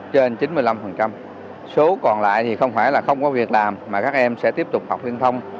trên chín mươi năm số còn lại thì không phải là không có việc làm mà các em sẽ tiếp tục học liên thông